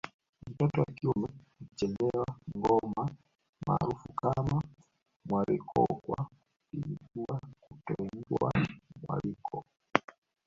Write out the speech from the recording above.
Mtoto wa kiume huchezewa ngoma maarufu kama mwalikokwa Kizigua kutoigwa mwaliko